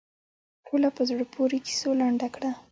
ټوله په زړه پورې کیسو لنډه کړه.